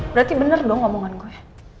berarti bener dong ngomongan gue